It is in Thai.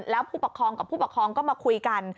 แล้วผู้ปกครองกับผู้ปกครองก็มาคุยกัน